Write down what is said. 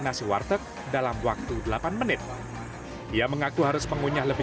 tapi sebenarnya ada yang bilang gimana kalau harus dimasak dulu